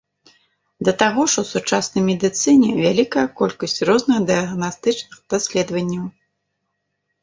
Да таго ж, у сучаснай медыцыне вялікая колькасць розных дыягнастычных даследаванняў.